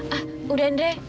ah udah endre